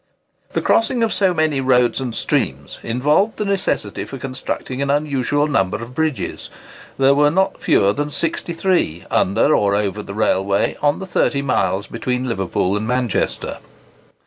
The crossing of so many roads and streams involved the necessity for constructing an unusual number of bridges. There were not fewer than 63, under or over the railway, on the 30 miles between Liverpool and Manchester.